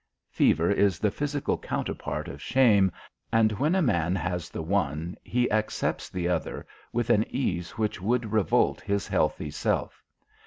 Fever is the physical counterpart of shame, and when a man has the one he accepts the other with an ease which would revolt his healthy self.